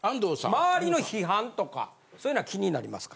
周りの批判とかそういうのは気になりますか？